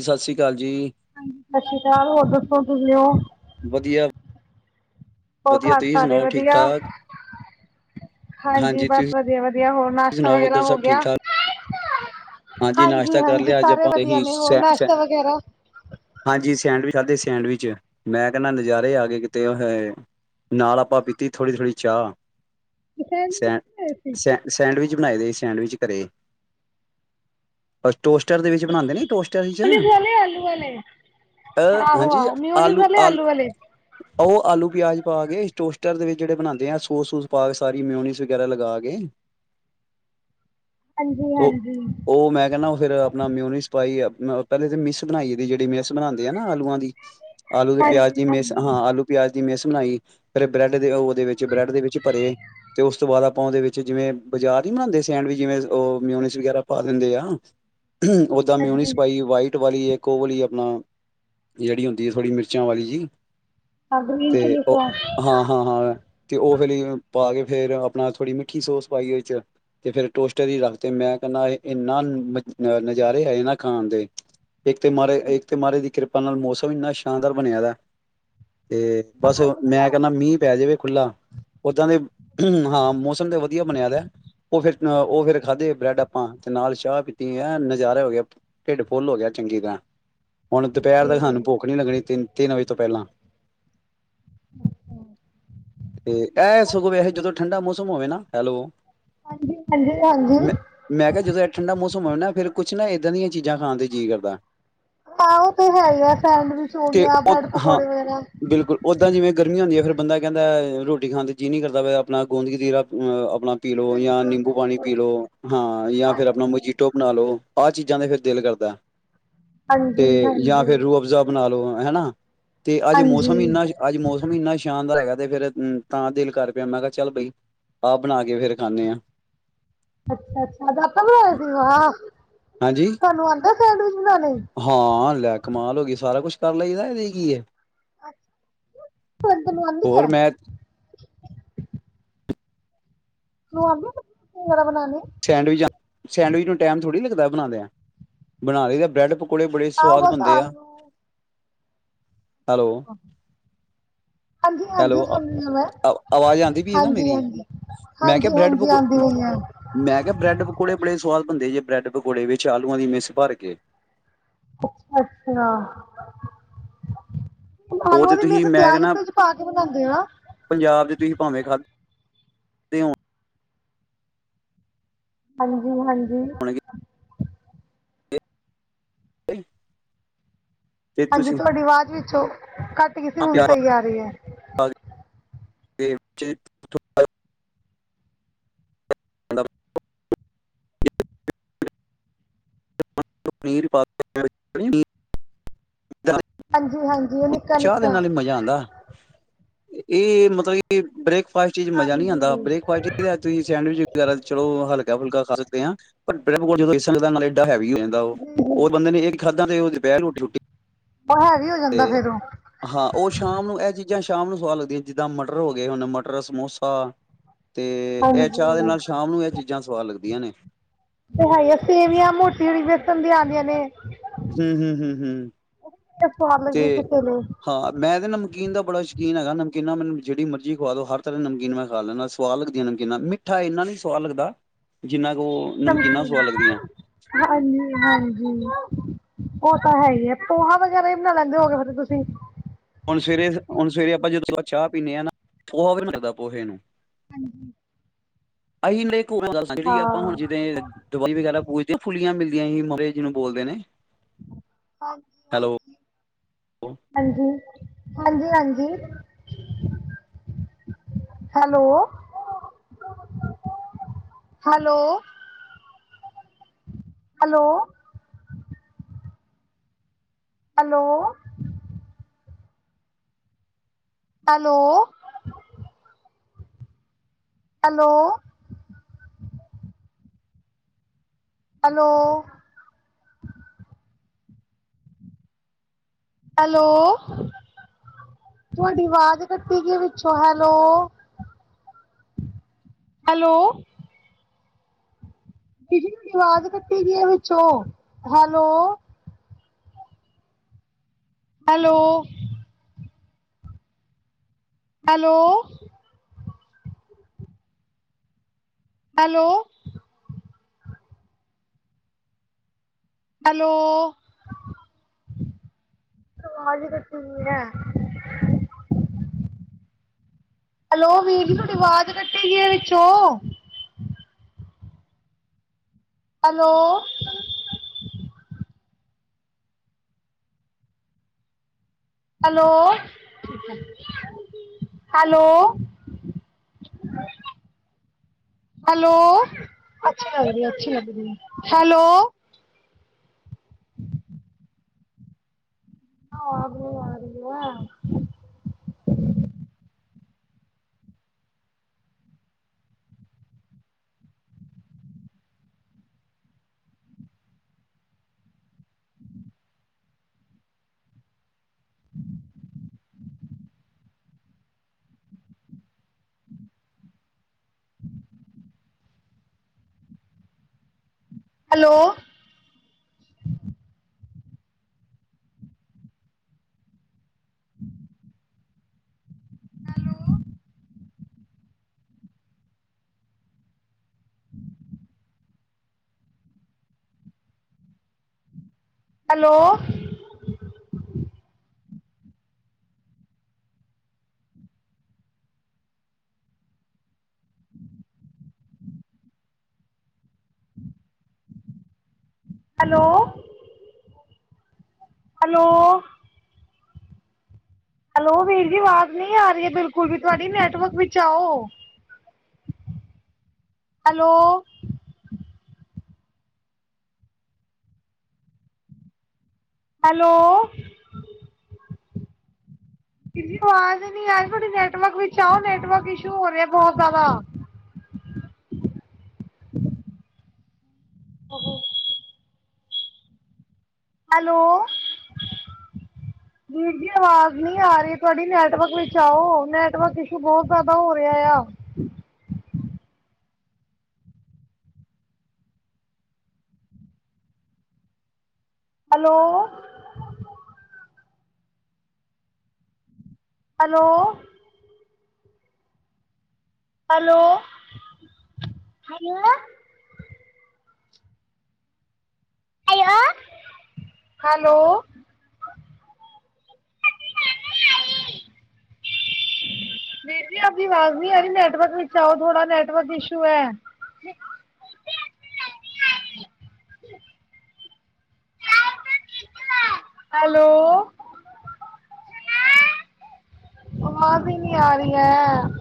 ਸਤਿ ਸ੍ਰੀ ਅਕਾਲ ਜੀ। ਹਾਂਜੀ, ਸਤਿ ਸ੍ਰੀ ਅਕਾਲ, ਹੋਰ ਦੱਸੋ ਕਿਵੇਂ ੳ? ਹੋਰ ਵਧੀਆ-ਵਧੀਆ, ਘਰ ਤੁਸੀਂ ਸਾਰੇ ਸੁਣਾਓ ਠੀਕ ਵਧੀਆ ਠਾਕ? ਹਾਂਜੀ, ਬਸ ਵਧੀਆ-ਵਧੀਆ, ਹੋਰ ਨਾਸ਼ਤਾ ਸੁਣਾਓ ਉੱਧਰ ਵਗੈਰਾ ਸਭ ਠੀਕ ਹੋਗਿਆ? ਠਾਕ ਹਾਂਜੀ, ਨਾਸ਼ਤਾ ਕਰ ਲਿਆ। ਅੱਜ ਸਾਰੇ ਆਪਾਂ ਵਧੀਆ ਨੇ ਹੋਰ ਸ ਨਾਸ਼ਤਾ ਵਗੈਰਾ ਹਾਂਜੀ ਸੈਂਡਵਿਚ ਖਾਧੇ ਸੈਂਡਵਿਚ, ਮੈਂ ਕਹਿੰਦਾ ਨਜ਼ਾਰੇ ਆ ਕੇ ਕਿਤੇ, ਉ ਹੋਏ! ਨਾਲ ਆਪਾਂ ਪੀਤੀ, ਥੋੜ੍ਹੀ-ਥੋੜ੍ਹੀ ਚਾਹ ਸੈਂ ਸੈਂ ਮਿਊਨਿਸ ਸੈਂਡਵਿਚ ਬਣਾਏ ਦੇ, ਸੈਂਡਵਿਚ ਘਰੇ ੳ ਟੋਸਟਰ ਦੇ ਵਿੱਚ ਬਣਾਉਂਦੇ ਨੇ, ਟੋਸਟਰ 'ਚ ਵਾਲੇ ਆਲੂ ਵਾਲੇ ਅਹ, ਆਹੋ ਹਾਂਜੀ ਆਹੋ ਮਿਊਨਿਸ ਵਾਲੇ ਆਲੂ-ਆਲੂ ਆਲੂ ਵਾਲੇ ਉਹ ਆਲੂ ਪਿਆਜ ਪਾ ਕੇ, ਟੋਸਟਰ ਦੇ ਵਿੱਚ ਜਿਹੜੇ ਬਣਾਉਂਦੇ ਆ, ਸੋਸ-ਸੂਸ ਪਾ ਕੇ, ਸਾਰੀ ਮਿਉਨੀਸ ਵਗੈਰਾ ਲਗਾ ਕੇ ਉਹ ਹਾਂਜੀ-ਹਾਂਜੀ। ਉਹ ਮੈਂ ਕੈੰਨਾ, ਫਿਰ ਅਪਨਾ ਮਿਉਨੀਸ ਪਾਈ, ਅਪਨਾ ਪਹਿਲੇ ਤੇ ਮਿਸ ਬਨਾਈ ਦੀ, ਜੇੜੀ ਮਿਸ ਬਨਾਂਦੇ ਆ ਨਾ ਆਲੂਆਂ ਦੀ। ਆਲੂ ਤੇ ਪਿਆਜ ਹਾਂਜੀ ਦੀ ਮਿਸ ਹਾਂਜੀ ਹਾਂ, ਆਲੂ- ਪਿਆਜ ਦੀ ਮਿਸ ਬਨਾਈ, ਫੇਰ ਬ੍ਰੈਡ ਦੇ ਉਹ ਦੇ ਵਿੱਚ ਬ੍ਰੈਡ ਦੇ ਵਿੱਚ ਭਰੇ, 'ਤੇ ਉਸ ਤੋਂ ਬਾਦ ਆਪਾਂ ਓਦੇ ਵਿੱਚ ਜਿਵੇਂ ਬਾਜ਼ਾਰ ਨੀ ਬਨਾਂਦੇ ਸੈਂਡਵਿਚ, ਜਿਵੇਂ ਓ ਮਿਉਨੀਸ ਵਗੈਰਾ। ਪਾ ਦਿੰਦੇ ਆ, ਓਦਾਂ ਮਿਉਨੀਸ ਹਾਂਜੀ ਪਾਈ ਵਾਈਟ। ਇੱਟ ਵਾਲੀ ਇੱਕ ਉਹ ਵਾਲੀ ਆਪਨਾ, ਜੇਹੜੀ ਹੁੰਦੀ ਏ ਥੋੜ੍ਹੀ ਮਿਰਚਾਂ ਵਾਲੀ ਜੀ। ਹਾਂ ਗ੍ਰੀਨ 'ਤੇ ਚਿਲੀ ਉਹ ਸੌਸ ਹਾਂ, ਹਾਂ, ਹਾਂ। ਤੇ ਓ ਵਾਲੀ ਪਾ ਕੇ, ਫੇਰ ਆਪਨਾ ਥੋੜ੍ਹੀ ਮਿੱਠੀ ਸੋਸ ਪਾਈ ਏ ਵਿੱਚ। ਤੇ ਫੇਰ ਟੋਸਟਰ ਈ ਰੱਖ ਤੇ ਮੈਂ ਕਹਿੰਨਾ, ਏਹ ਏਨਾ ਨਜ਼-ਨਜ਼ਾਰੇ ਆਏ ਨਾ ਖਾਨ ਦੇ, ਇੱਕ ਤੇ ਮਾਹਾਰਾਜ, ਇੱਕ ਤੇ ਮਾਹਾਰਾਜ ਦੀ ਕਿਰਪ। ਤਨ ਨਾਲ ਮੌਸਮ ਇੰਨਾ ਸ਼ਾਨਦਾਰ ਬਨਿਆ ਦੈ, ਤੇ ਬਸ ਮੈਂ ਕੈੰਹਨਾ, ਮੀਂ ਪੈ ਜਵੇ। ਖੁਲ੍ਹਾ, ਓਦਾਂ ਦੇ ਹਾਂ, ਮੌਸਮ ਤੇ ਵਦੀਆ ਬਨਿਆ ਦੈ। ਓ ਫੇਰ, ਓ ਫੇਰ ਖਾਦੇੇ ਬ੍ਰੈਡ ਆਪਾਂ। ਤੇ ਨਾਲ ਚਾਹ ਪੀਤੀ, ਐਂ ਨਜ਼ਾਰੇ ਹੋ ਗਏ, ਢਿੱਡ ਫੁੱਲ ਹੋ ਗਿਆ ਚੰਗੀ ਤਰ੍ਹਾਂ। ਹੁਨ ਦੁਪਹਿਰ ਤੱਕ ਸਾਨੂੰ ਭੁੱਖ ਨੀ ਹਾਂਜੀ ਲੱਗਨੀ, ਤਿੰਨ-ਤਿੰਨ ਵਜੇ ਤੋਂ ਪਹਿਲਾਂ। 'ਤੇ ਐਹ ਸਗੋਂ ਵੈਸੇ ਜਦੋਂ ਠੰਡਾ ਮੌਸਮ ਹੋਵੇ ਨਾ, ਹੈਲੋ! ਹਾਂਜੀ-ਹਾਂਜੀ, ਹਾਂਜੀ। ਮੈਂ ਮੈਂ ਕੇਆ, ਜਦੋਂ ਇਹ ਠੰਡਾ ਮੌਸਮ ਹੋਵੇ ਨਾ, ਫ਼ਿਰ ਕੁਛ ਨਾ ਏਦਾਂ ਦੀਆਂ ਚੀਜ਼ਾਂ ਖਾਨ ਤੇ ਜੀਅ ਕਰਦਾ। ਹਾਂ, ਉਹ ਤੇ ਹੈ ਈ ਐ, ਸੈਡਵਿਜ ਹੋ ਤੇ ਗਿਆ, ਉਹ ਬ੍ਰੈਡ ਹਾਂ ਪਕੌੜੇ ਵਗੈਰਾ। ਬਿਲਕੁਲ ਓਦਾਂ, ਜਿਵੇਂ ਗਰਮੀ ਹੁੰਦੀ ਏ ਫਿਰ ਬੰਦਾ ਕੈਹਂਦੈ, ਰੋਟੀ ਖਾਨ ਦੇ ਜੀਅ ਨੀ ਕਰਦਾ ਪੇਆ, ਆਪਨਾ ਗੋਂਦਕਤੀਰਾ, ਅਪਨਾ-ਆਪਨਾ। ਪੀ ਲਓ ਜਾਂ ਬਿਲਕੁਲ ਨਿੰਬੂ ਪਾਨੀ ਬਿਲਕੁਲ ਪੀ ਲਓ, ਹਾਂ, ਜਾਂ ਫੇਰ ਆਪਨਾ ਹਾਂਜੀ ਮਜੀਠ। ਟੋਪ ਬਣਾ ਲਓ, ਆਹ ਚੀਜ਼ਾਂ ਤੇ ਫਿਰ ਦਿਲ ਕਰਦੈ, ਤੇ ਹਾਂਜੀ, ਯਾ ਹਾਂਜੀ, ਫੇਰ ਰੂਹ ਅਫਜ਼ਾ। ਬਨਾ ਲਓ ਹੈ ਨਾ, 'ਤੇ ਅੱਜ ਹਾਂਜੀ ਮੌਸਮ ਇੰਨਾ ਜ ਅੱਜ ਮੌਸਮ ਇੰਨਾ ਸ਼ਾਨਦਾਰ ਹੈਗਾ, ਤੇ ਫੇਰ ਤਾਂ ਦਿਲ ਕਰ ਪੇਆ, ਮੈਂ ਕੇਆ, ਚੱਲ ਬਈ। ਆਪ ਬਨਾ ਕੇ ਫੇਰ ਖਾਂਨੇ ਆਂ। ਅੱਛਾ-ਅੱਛਾ, ਆਪੇ ਬਨਾਏ ਸੀ, ਵਾਹ! ਹਾਂਜੀ ਤੁਹਾਨੂੰ ਆਂਦਾ ਸੈਂਡਵਿਚ ਬਨਾਨੇ? ਹਾਂ, ਲੈ ਕਮਾਲ ਹੋ ਗਈ! ਸਾਰਾ ਕੁਛ ਕਰ ਲਈਦੈ, ਏਦੇ 'ਚ ਕੀ ਏ? ਤੈਨੂੰ ਆਂਦੀ ਹੋਰ ਐ ਮੈਂ? ਰੂਹ ਆਫਜੂ ਵਗੈਰਾ ਬਨਾਨੇ। ਸੈਂਡਵਿਜ-ਸੈਂਡਵਿਜ ਨੂੰ ਟਾਈਮ ਥੋੜੀ ਲੱਗਦੈ ਬਨਾਦਿਆਂ, ਬਨਾ ਲਈਦੈ, ਬ੍ਰੈਡ ਪਕ ਪਕੋੋੜੇ ਬੜੇ ਆਓ ਸਵਾਦ ਬਸ ਬਨੰਦੇ ਆ, ਆਲੂ ਹੈਲੋ! ਹਾਂਜੀ, ਹਾਂਜੀ ਹੈਲੋ, ਸੁਣ ਰਹੀ ਆ ਮੈਂ ਅ ਆਵਾਜ਼ ਆਂਦੀ ਪਈ ਏ ਨਾ ਹਾਂਜੀ, ਮੇਰੀ? ਹਾਂਜੀ। ਮੈਂ ਕੇਆ, ਹਾਂਜੀ, ਬ੍ਰੈਡ ਹਾਂਜੀ ਪਕੋ ਆਂਦੀ ਪਈ ਐ ਮੈਂ ਕੇਆ, ਬ੍ਰੈੱਡ ਪਕੌੜੇ ਬੜੇ ਸਵਾਦ ਬਨਦੇ ਜੇ, ਬ੍ਰੈਡ ਪਕੌੜੇ ਵਿੱਚ ਆਲੂਆਂ ਦੀ ਮਿਸ ਭਰ ਕੇ। ਅੱਛਾ-ਅੱਛਾ। ਉਹ ਤੇ ਆਲੂਆਂ ਦੀ ਮਿਸ, ਤੁਸੀਂ ਮੈਂ ਪਿਆਜ਼ ਕਹਿਣਾ -ਪਿਓਜ਼ ਪਾ ਕੇ ਬਨਾਂਦੇ ਓ ਨਾ? ਪੰਜਾਬ ਦੇ 'ਚ ਤੁਸੀ ਭਾਵੇਂ ਖਾਧ। ਹਾਂਜੀ-ਹਾਂਜੀ। ਹਾਂਜੀ। ਬਈ! ਹਾਂਜੀ, ਤੁਹਾਡੀ ਆਵਾਜ਼ ਵਿੱਚੋਂ, ਕੱਟ ਗਈ ਸੀ ਹੁਨ ਸਹੀ ਆ ਰੀ ਐ। ਅੱਜ ਦੇਵ ਚੇਨ? [unintelligible] ਥੋੜ੍ਹਾ ਤੋ ਪਨੀਰ ਪਾ [unintelligible] ਚਾਏ, ਹਾਂਜੀ, ਹਾਂਜੀ ਉਹ ਨਿੱਕਾ, ਚਾਅ ਦੇ ਨਿੱਕਾ ਨਾਲ ਈ ਮਜ਼ਾ ਆਉਂਦਾ। ਏਅ ਮਤਲਬ ਕਿ ਬ੍ਰੇਕਫਾਸਟ ਚੀ ਮਜ਼ਾ ਨੀ ਆਂਦਾ। ਹਾਂਜੀ ਬ੍ਰੇਕਫਾਸਟ ਚ ਤੁਸੀਂ ਸੈਂਡਵਿਚ ਵਗੈਰਾ ਚਲੋ ਹਲਕਾ-ਫੁਲਕਾ ਖਾ ਸਕਦੇ ਆਂ, ਪਰ [unintelligible] ਡਾ ਹੈਵੀ ਹੋ ਜਾਂਦਾ ਓਹ। ਔਰ ਬੰਦੇ ਨੇ ਏਕ ਈ ਖਾਦਾਂ ਤੇ ਔ ਦੁਪੈਰ ਰੋੱਟੀ-ਰੂਟੀ ਆ ਹੈਵੀ ਹੋ ਜਾਂਦਾ ਫੇਰ ਓਹ। ਹਾਂ, ਓਹ ਸ਼ਾਮ ਨੂੰ ਐ ਚੀਜ਼ਾਂ ਸ਼ਾਮ ਨੂੰ ਸਵਾਦ ਲੱਗਦੀਐਂ, ਜਿੱਦਾਂ ਮਟਰ ਹੋ ਗਏ, ਹੁਣ ਮਟਰ ਸਮੋਸਾ ਤੇ ਐਹ ਚਾਹ ਦੇ ਹਾਂਜੀ ਨਾਲ ਸ਼ਾਮ ਨੂੰ ਐਹ ਚੀਜ਼ਾਂ ਸਵਾਦ ਲੱਗਦੀਆਂ ਨੇ। ਤੇ ਹੈ ਆ ਸੇਵੀਆਂ ਮੋਟੀ ਆਲੀ ਵੇਸਣ ਦੀਆ ਆਂਦੀਆਂ ਨੇ। ਹੂੰ ਹੂੰ ਹੂੰ ਹੂੰ ਓਹ ਵੀ ਬੜੀ ਸਵਾਦ ਲੱਗਦੀ ਤੇ ਏ, ਕਿਸੇ ਲੇ। ਹਾਂ, ਮੈਂ ਤੇ ਨਮਕੀਨ ਦਾ ਬੜਾ ਸ਼ਕੀਨ ਹੈਗਾ। ਨਮਕੀਨਾ ਮੈਨੂੰ ਜੇੜੀ ਮਰਜ਼ੀ ਖਵਾ ਦੋ, ਹਰ ਤਰ੍ਹਾਂ ਦੀ ਨਮਕੀਨ ਮੈਂ ਖਾ ਲੈਣਾ। ਸਵਾਦ ਲੱਗਦੀਆਂ ਨਮਕੀਨਾ। ਮਿੱਠਾ ਏਨਾ ਨੀ ਸਵਾਦ ਲੱਗਦਾ ਜਿੰਨਾ ਕੁ ਓਹ ਨਮਕੀਨ, ਹਾਂਜੀ, ਹਾਂਜੀ। ਓ ਤਾਂ ਹੈ ਈ ਐ, ਪੋਹਾ ਵਗੈਰਾ ਹੀ ਬਣਾ ਲੈਂਦੇ ਹੋਗੇ ਫੇਰ ਤੇ ਤੁਸੀਂ? ਹੁਣ ਸਵੇਰੇ ਹੁਣ ਸਵੇਰੇ ਆਪਾਂ ਜਦੋਂ ਚਾਹ ਪੀਂਦੇ ਆਂ ਨਾ, ਓਹ ਐਵੀ ਨੀ ਲਗਦਾ ਪੋਹੇ ਨੂੰ। ਹਾਂਜੀ। ਅਹੀਂ ਲੇਕੂ [unintelligible] ਜੇੜੀ ਹਾਂ ਆਪਾਂ ਹੁਣ ਜਿਦੇ ਦਵਾਲੀ ਵਗੈਰਾ ਪੂਜਦੇਆਂ ਫੁੱਲੀਆਂ ਮਿਲਦੀਆਂ ਹੀ ਮੁਰੇ ਜਿਨੂੰ ਬੋਲਦੇ ਨੇ। ਹਾਂਜੀ, ਹੈਲੋ ਹਾਂਜੀ। ਹਾਂਜੀ, ਹਾਂਜੀ-ਹਾਂਜੀ। Hello. Hello hello. Hello. Hello. Hello. Hello. Hello, ਤੁਆਡੀ ਵਾਜ਼ ਕੱਟੀ ਗਈ ਵਿੱਚੋ, ਹੈਲੋ। ਹੈਲੋ। ਦੀਦੀ ਵਾਜ਼ ਕੱਟੀ ਗਈ ਏ ਵਿੱਚੋਂ, hello. Hello. Hello. Hello. Hello, ਤੇ ਵਾਜ਼ ਈ ਕਟੀ ਗਈ ਐ। ਹੈਲੋ, ਵੀਰ ਜੀ ਤੋਡੀ ਵਾਜ਼ ਕਟੀ ਗਈ ਐ ਵਿੱਚੋਂ। ਹੈਲੋ। ਹੈਲੋ। ਹੈਲੋ। ਹੈਲੋ, ਅੱਛੀ ਲੱਗਰੀ ਏ ਅੱਛੀ ਲੱਗਦੀ ਏ, ਹੈਲੋ। ਆਵਾਜ ਨੀ ਆ ਰੀ ਐ। Hello. [inaudible] Hello. Hello. Hello. Hello. Hello ਵੀਰ ਜੀ, ਵਾਜ਼ ਨੀ ਆ ਰੀ ਐ ਬਿਲਕੁਲ ਵੀ ਤੁਵਾਡੀ ਨੈਟਵਰਕ ਵਿੱਚ ਆਓ। ਹੈਲੋ। ਐਲੋ। ਵੀਰ ਜੀ ਅਵਾਜ਼ ਨੀ ਆਰੀ ਥੋਡੀ। ਨੈਟਵਰਕ ਵਿੱਚ ਆਓ। ਨੈਟਵਰਕ ਇਸ਼ੂ ਹੋ ਰਿਐ ਬੋਤ ਜੈਦਾ। [unintelligible] ਹੈਲੋ। [inaudible] ਵੀਰ ਜੀ ਆਵਾਜ਼ ਨੀ ਆ ਰਹੀ ਤੁਹਾਡੀ। ਨੈਟਵਰਕ ਵਿੱਚ ਆਓ। ਨੈਟਵਰਕ ਇਸ਼ੂ ਬਹੁਤ ਜ਼ਿਆਦਾ ਹੋ ਰਿਹਾ ਆ। ਹੈਲੋ। ਹੈਲੋ। ਹੈਲੋ-ਹੈਲੋ। ਹੈਲੋ-ਹੈਲੋ। ਵੀਰ ਜੀ ਆਪਦੀ ਆਵਾਜ਼ ਨੀ ਆਰੀ ਨੈਟਵਰਕ ਵਿੱਚ ਆਓ ਥੋੜਾ ਨੈਟਵਰਕ ਇਸ਼ੂ ਹੈ। ਹੈਲੋ। ਆਵਾਜ਼ ਈ ਨਹੀਂ ਆ ਰਹੀ ਹੈ।